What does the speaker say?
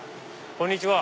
こんにちは。